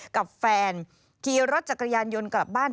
กับแฟนขี่รถจักรยานยนต์กลับบ้าน